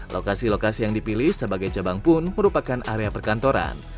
lokasi lokasi yang dipilih sebagai cabang pun merupakan area perkantoran